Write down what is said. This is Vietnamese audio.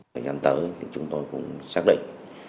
nhân tử chúng tôi cũng xác định